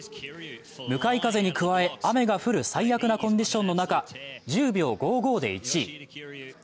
向かい風に加え雨が降る最悪なコンディションの中、１０秒５５で１位。